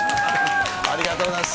ありがとうございます。